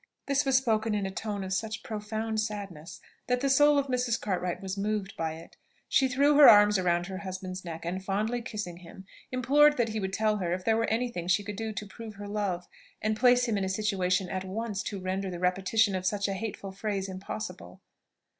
This was spoken in a tone of such profound sadness, that the soul of Mrs. Cartwright was moved by it. She threw her arms around her husband's neck, and fondly kissing him, implored that he would tell her if there were any thing she could do to prove her love, and place him in a situation at once to render the repetition of such a hateful phrase impossible.